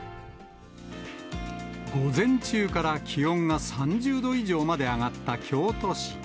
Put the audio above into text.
午前中から気温が３０度以上まで上がった京都市。